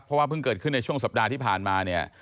เพราะว่าเพิ่งเกิดขึ้นในช่วงสัปดาห์ที่ผ่านมาเนี่ย